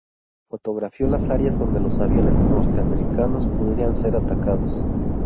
Fotografió las áreas donde los aviones norteamericanos pudieran ser atacados.